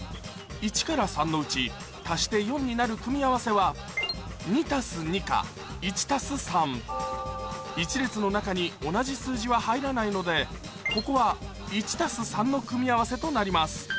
１から３のうち足して４になる組み合わせは１列の中に同じ数字は入らないのでここは１＋３の組み合わせとなります